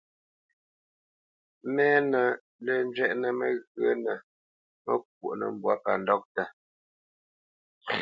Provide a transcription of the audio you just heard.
Mɛ́nǝ́ lǝ̂ zhwɛʼnǝ mǝghyǝ̌nǝ nǝ́ mǝkwónǝ mbwǎ pa ndɔʼta.